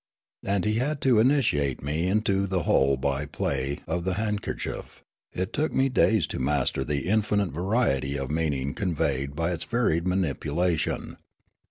And he had to initiate me into the whole by play of the handkerchief ; it took me days to master the infinite variety of meaning conveyed by its varied manipula tion.